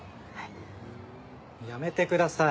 やめてください